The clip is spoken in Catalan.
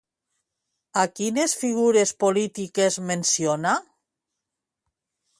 A quines figures polítiques menciona?